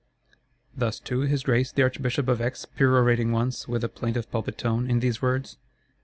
Thus too his Grace the Archbishop of Aix perorating once, with a plaintive pulpit tone, in these words?